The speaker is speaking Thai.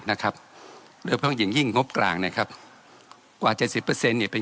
นะครับหรือพออย่างยิ่งงบกลางนะครับกว่า๗๐เนี่ยเป็น